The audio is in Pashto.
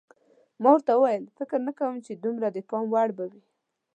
ما ورته وویل: فکر نه کوم چې دومره د پام وړ به وي.